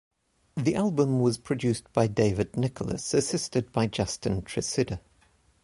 The album was produced by David Nicholas assisted by Justin Tresidder.